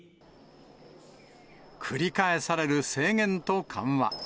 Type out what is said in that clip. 繰り返される制限と緩和。